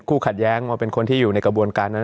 ขัดแย้งมาเป็นคนที่อยู่ในกระบวนการนั้น